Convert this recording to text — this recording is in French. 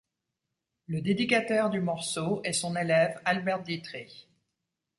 Le dédicataire du morceau est son élève Albert Dietrich.